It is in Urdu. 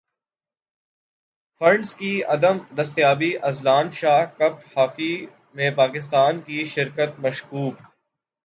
فنڈز کی عدم دستیابی اذلان شاہ کپ ہاکی میں پاکستان کی شرکت مشکوک